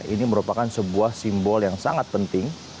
ini merupakan sebuah simbol yang sangat penting